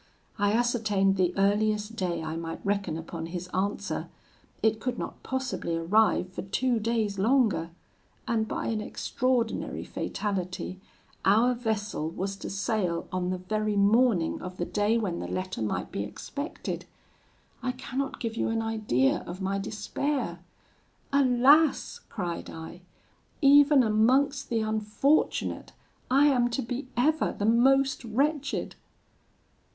I ascertained the earliest day I might reckon upon his answer: it could not possibly arrive for two days longer; and by an extraordinary fatality, our vessel was to sail on the very morning of the day when the letter might be expected. I cannot give you an idea of my despair. 'Alas!' cried I, 'even amongst the unfortunate, I am to be ever the most wretched!'